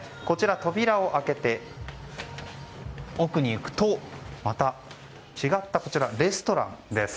扉を開けて奥に行くとまた違ったレストランです。